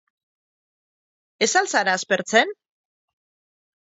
Ez al zara aspertzen?